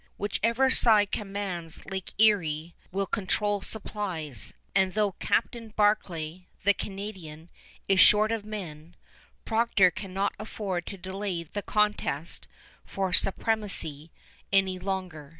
Whichever side commands Lake Erie will control supplies; and though Captain Barclay, the Canadian, is short of men, Procter cannot afford to delay the contest for supremacy any longer.